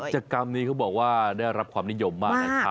กิจกรรมนี้เขาบอกว่าได้รับความนิยมมากนะครับ